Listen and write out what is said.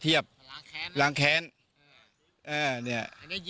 อันนี้ยิงไม่เข้าเลย